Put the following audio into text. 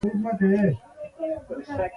متل؛ که دې لاس چلېد؛ خوله دې چلېږي.